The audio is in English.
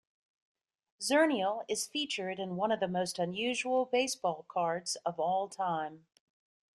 Zernial is featured in one of the most unusual baseball cards of all time.